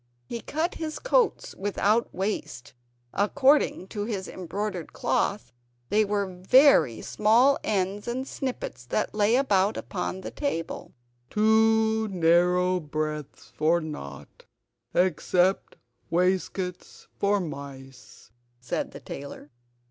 He cut his coats without waste; according to his embroidered cloth, they were very small ends and snippets that lay about upon the table "Too narrow breadths for nought except waistcoats for mice," said the tailor.